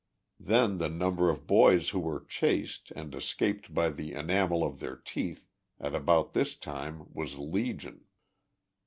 Then the number of boys who were 4 chased,' and escaped by the enamel of their teeth, at about this time, was legion."